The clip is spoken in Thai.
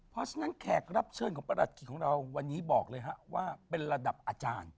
เพราะฉะนั้นแขกรับเชิญของประหลัดขิกของเราวันนี้บอกเลยฮะว่าเป็นระดับอาจารย์